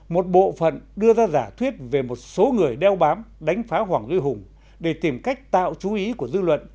một bộ phận đưa ra giả thuyết về một số người đeo bám đánh phá hoàng duy hùng để tìm cách tạo chú ý của dư luận